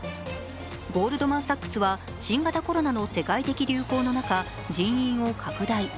ゴールドマン・サックスは新型コロナの世界的流行の中人員を拡大。